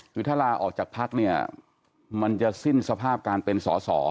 คือถ้าลาออกจากพักเนี่ยมันจะสิ้นสภาพการเป็นสอสอ